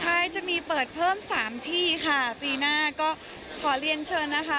ใช่จะมีเปิดเพิ่มสามที่ค่ะปีหน้าก็ขอเรียนเชิญนะคะ